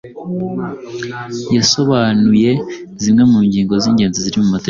yasobanuye zimwe mu ngingo z’ingenzi ziri mu itegeko